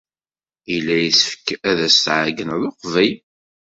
Yella yessefk ad as-tɛeyyneḍ uqbel.